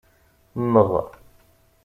Mmeɣ.